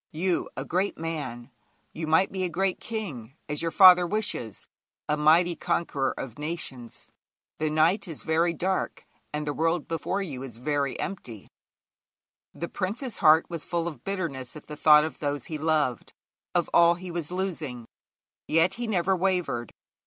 You, a great man you might be a great king, as your father wishes a mighty conqueror of nations. The night is very dark, and the world before you is very empty.' The prince's heart was full of bitterness at the thought of those he loved, of all that he was losing. Yet he never wavered.